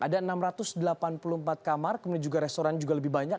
ada enam ratus delapan puluh empat kamar kemudian juga restoran juga lebih banyak